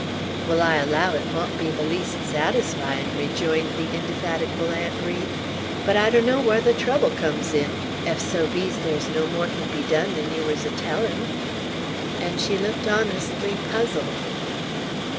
"Wall, I allow it mought be the least satisfyin'," rejoined the indefatigable Aunt Ri; "but I donno whar the trouble comes in, ef so be's thar's no more kin be done than yer wuz er tellin'." And she looked honestly puzzled.